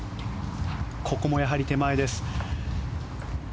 ここも、やはり手前です。